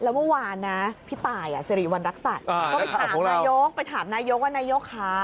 แล้วเมื่อวานนะพี่ตายเสรีวันรักษัตริย์ก็ไปถามนายกว่านายกค่ะ